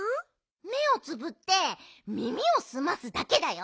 めをつぶってみみをすますだけだよ。